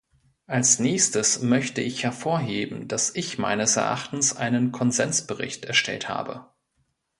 Als nächstes möchte ich hervorheben, dass ich meines Erachtens einen Konsensbericht erstellt habe.